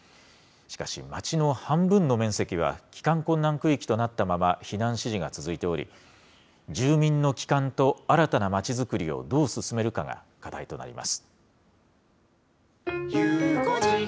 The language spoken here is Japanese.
しかし、町の半分の面積は帰還困難区域となったまま避難指示が続いており、住民の帰還と新たなまちづくりをどう進めるかが課題となります。